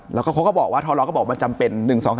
แล้วก็ทอลอร์ก็บอกว่าจำเป็น๑๒๓๔๕